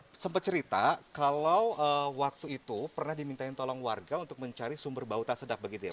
pak sempat cerita kalau waktu itu pernah dimintain tolong warga untuk mencari sumber bau tak sedap begitu ya pak